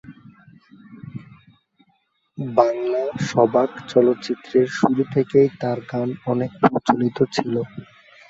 বাংলা সবাক চলচ্চিত্রের শুরু থেকেই তার গান অনেক প্রচলিত ছিল।